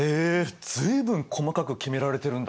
随分細かく決められてるんだね。